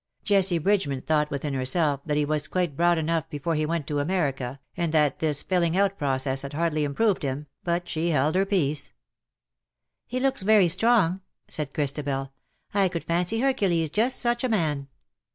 ^* Jessie Bridgeman thought within herself that he was quite broad enough before he went to America, and that this filling out process had hardly improved him, but she held her peace. " He looks very strong/^ said Christabel. " I could fancy Hercules just such a man.